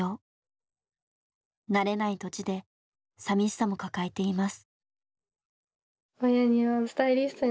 慣れない土地でさみしさも抱えています。